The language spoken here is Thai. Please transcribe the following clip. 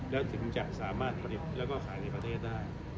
แล้วถึงจะสามารถผลิตแล้วก็ขายในประเทศได้